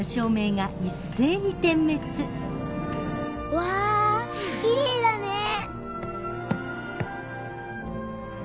うわぁきれいだねぇ。